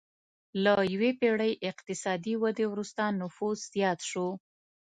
له یوې پېړۍ اقتصادي ودې وروسته نفوس زیات شو.